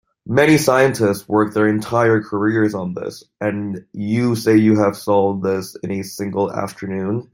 Many scientists work their entire careers on this, and you say you have solved this in a single afternoon?